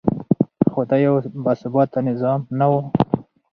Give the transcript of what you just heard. خو دا یو باثباته نظام نه و.